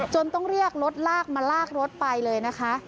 ต้องเรียกรถลากมาลากรถไปเลยนะคะ